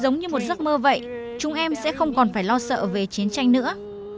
giống như một giấc mơ vậy chúng em sẽ không còn phải lo sợ về chiến tranh nữa